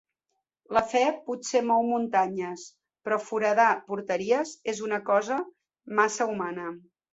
La fe potser mou muntanyes, però foradar porteries és una cossa massa humana.